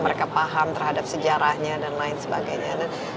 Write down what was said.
mereka paham terhadap sejarahnya dan lain sebagainya